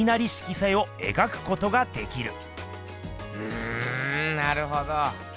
うんなるほど。